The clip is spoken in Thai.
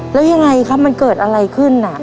แล้วยังไงครับมันเกิดอะไรขึ้นน่ะ